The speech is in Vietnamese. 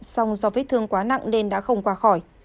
song do vết thương quá nặng nên đã không qua khỏi